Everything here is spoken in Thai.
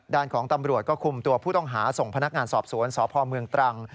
ด้านของตำรวจก็คุมตัวผู้ต้องหาส่งพนักงานสอบสวนสพเมืองตรัง